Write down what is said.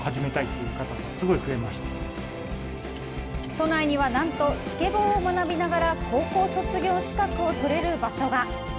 都内にはなんと、スケボーを学びながら高校卒業資格を取れる場所が。